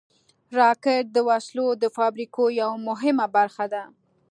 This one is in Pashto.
راکټ د وسلو د فابریکو یوه مهمه برخه ده